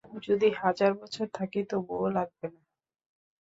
যদি হাজার বছর থাকি তবুও লাগবে না।